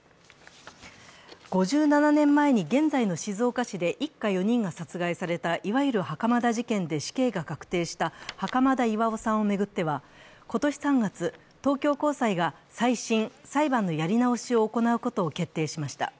５７年前に現在の静岡市で一家４人が殺害されたいわゆる袴田事件で死刑が確定した袴田巌さんを巡っては今年３月、東京高裁が再審＝裁判のやり直しを行うことを決定しました。